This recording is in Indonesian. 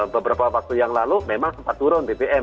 beberapa waktu yang lalu memang sempat turun bbm